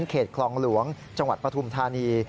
เขตคลองหลวงจังหวัดปฐุมธานี